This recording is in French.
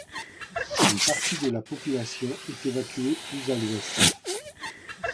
Une partie de la population est évacuée plus à l'ouest.